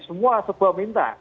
semua sebuah minta